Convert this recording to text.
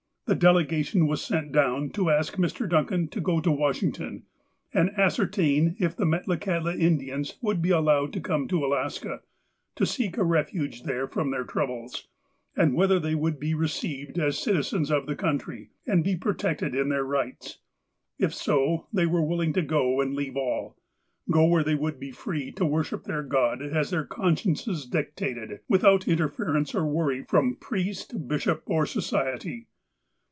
The delegation was sent down to ask Mr. Duncan to go to Washington, and ascertain if the Metlakahtla In dians would be allowed to come to Alaska, to seek a refuge there from their troubles — and whether they would be received as citizens of the country, and be pro tected in their rights. If so, they were willing to go and leave all. Go where they would be free to worship their God as their consciences dictated, without interference, or worry from priest, bishop, or Society.